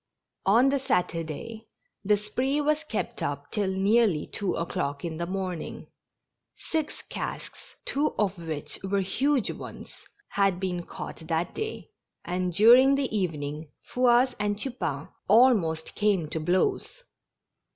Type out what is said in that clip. On the Saturday, the spree was kept up till nearly two o'clock in the morning. Six casks, two of which were huge ones, had been caught that day, and during the evening Fouasse and I'upain almost came to blows.